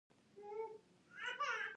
خلک اسرار او اصرار کلمې سمې نشي ویلای.